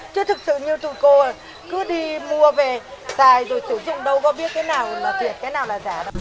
chứ thực sự như tụi cô cứ đi mua về dài rồi sử dụng đâu có biết cái nào là tuyệt cái nào là giả